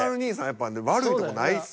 やっぱ悪いとこないっす。